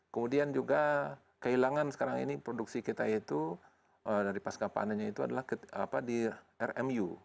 kemudian juga kehilangan sekarang ini produksi kita itu dari pasca panennya itu adalah di rmu